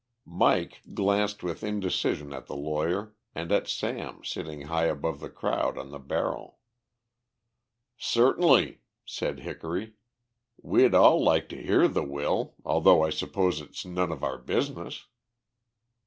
Mike glanced with indecision at the lawyer and at Sam sitting high above the crowd on the barrel. "Certainly," said Hickory. "We'd all like to hear the will, although I suppose it's none of our business."